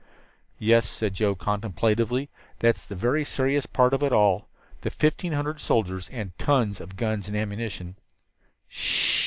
"Yes," said Joe contemplatively, "that's the very serious part of it all the fifteen hundred soldiers and tons of guns and ammunition."